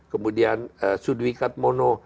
kemudian sudwi katmono